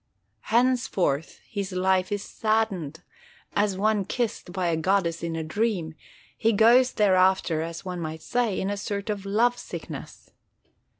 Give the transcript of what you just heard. Henceforth his life is saddened; as one kissed by a goddess in a dream, he goes thereafter, as one might say, in a sort of love sickness.